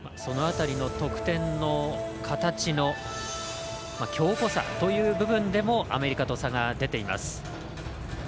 その辺りの得点の形の強固さという部分でもアメリカと差が出ています。